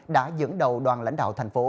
đã dẫn đầu đoàn lãnh đạo thành phố